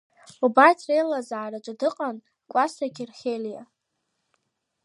Убарҭ реилазаараҿы дыҟан Кәасҭа Герхелиа.